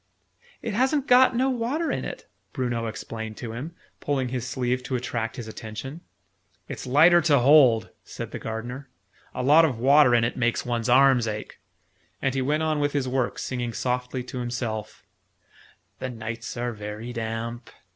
"It hasn't got no water in it!" Bruno explained to him, pulling his sleeve to attract his attention. "It's lighter to hold," said the Gardener. "A lot of water in it makes one's arms ache." And he went on with his work, singing softly to himself, "The nights are very damp!"